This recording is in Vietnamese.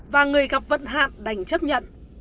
và người gặp vận hạn đành chấp nhận